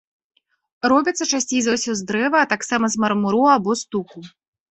Робяцца часцей за ўсё з дрэва, а таксама з мармуру або стуку.